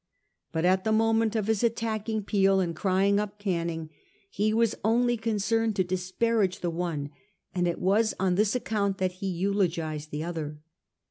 But at the moment of his attacking Peel and crying up Canning he was only concerned to disparage the one, and it was on this account that he eulogised the other.